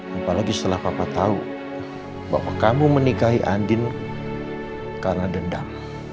apalagi setelah papa tahu bahwa kamu menikahi andin karena dendam